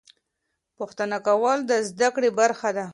پوښتنه کول د زده کړې برخه ده.